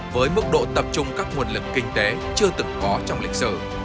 với mức độ tập trung các nguồn lực kinh tế chưa từng có trong lịch sử